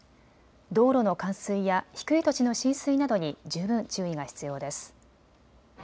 道路の冠水や低い土地の浸水などに十分注意が必要です。